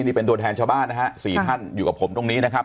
นี่เป็นตัวแทนชาวบ้านนะฮะ๔ท่านอยู่กับผมตรงนี้นะครับ